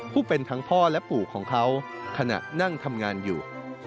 ผู้เป็นทั้งพ่อและปู่ของเขาขณะนั่งทำงานอยู่